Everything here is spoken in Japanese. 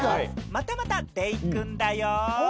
またまたデイくんだよ。